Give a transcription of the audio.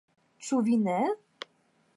Ĉu vi ne?